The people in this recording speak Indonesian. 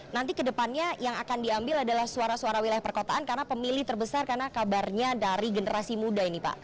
nanti kedepannya yang akan diambil adalah suara suara wilayah perkotaan karena pemilih terbesar karena kabarnya dari generasi muda ini pak